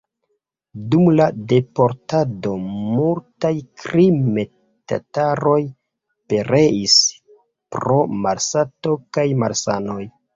Dum la deportado multaj krime-tataroj pereis pro malsato kaj malsanoj.